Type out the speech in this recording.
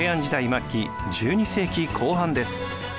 末期１２世紀後半です。